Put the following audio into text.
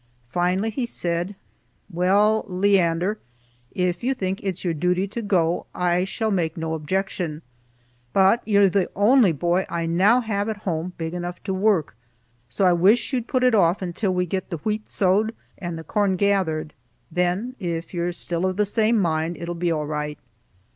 Finally he said, "Well, Leander, if you think it's your duty to go, I shall make no objection. But you're the only boy I now have at home big enough to work, so I wish you'd put it off until we get the wheat sowed, and the corn gathered. Then, if you're still of the same mind, it'll be all right."